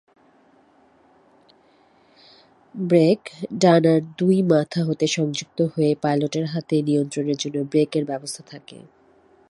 Break: ডানার দুই মাথা হতে সংযুক্ত হয়ে পাইলটের হাতে নিয়ন্ত্রণের জন্য ব্রেক এর ব্যবস্থা থাকে।